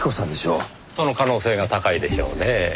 その可能性が高いでしょうねぇ。